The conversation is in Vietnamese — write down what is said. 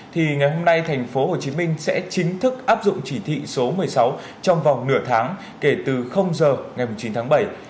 thì ngày hôm nay tp hcm sẽ chính thức áp dụng chỉ thị số một mươi sáu trong vòng nửa tháng kể từ giờ ngày chín tháng bảy